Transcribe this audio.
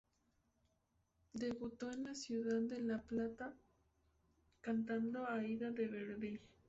Debutó en la ciudad de La Plata, cantando Aída de Verdi.